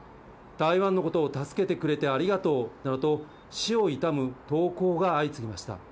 台湾のことを助けてくれてありがとうなどと、死を悼む投稿が相次ぎました。